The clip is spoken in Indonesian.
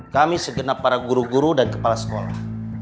kami segenap para guru guru dan kepala sekolah